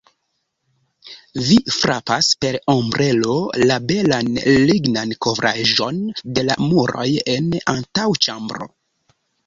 Vi frapas per ombrelo la belan lignan kovraĵon de la muroj en antaŭĉambro.